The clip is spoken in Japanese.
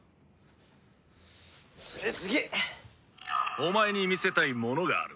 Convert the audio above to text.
お前に見せたいものがある。